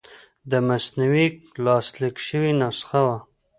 د مثنوي لاسلیک شوې نسخه وه.